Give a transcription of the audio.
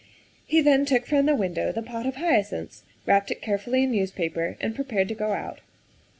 He then took from the window the pot of hyacinths, wrapped it carefully in newspaper, and prepared to go out.